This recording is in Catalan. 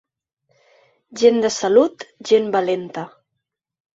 Gent de salut, gent valenta.